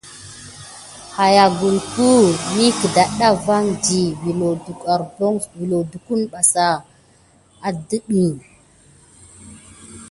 Kutuk metiŋ zikai var kuya ba ama def metikine siga ko kusva taka ne ra dagada ba.